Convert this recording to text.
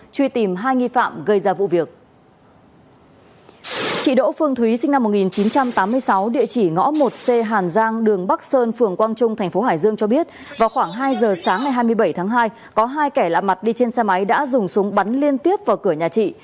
chị đỗ phương thúy sinh năm một nghìn chín trăm tám mươi sáu địa chỉ ngõ một c hàn giang đường bắc sơn phường quang trung tp hải dương cho biết vào khoảng hai giờ sáng ngày hai mươi bảy tháng hai có hai kẻ lạ mặt đi trên xe máy đã dùng súng bắn liên tiếp vào cửa nhà chị